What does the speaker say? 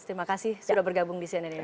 terima kasih sudah bergabung di cnn indonesia